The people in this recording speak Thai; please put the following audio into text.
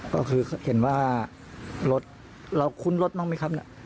ก็คือเห็นว่ารถเราคุ้นรถบ้างไหมครับ